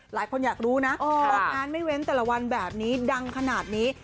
หลายคนอยากรู้นะว่างานไม่เว้นแต่ละวันแบบนี้ดังขนาดนี้